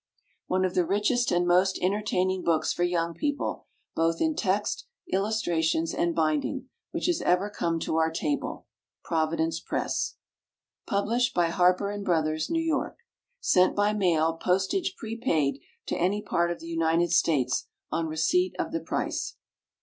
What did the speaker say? _ One of the richest and most entertaining books for young people, both in text, illustrations, and binding, which has ever come to our table. Providence Press. Published by HARPER & BROTHERS, N. Y. _Sent by mail, postage prepaid, to any part of the United States, on receipt of the price.